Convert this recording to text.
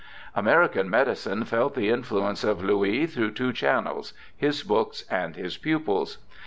American medicine felt the influence of Louis through two channels, his books and his pupils.